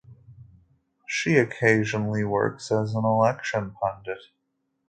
She occasionally works as an election pundit.